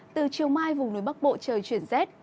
từ chiều mai vùng núi bắc bộ trời chuyển rét